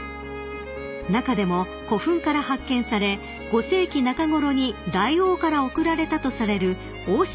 ［中でも古墳から発見され５世紀中頃に大王から贈られたとされる「王賜」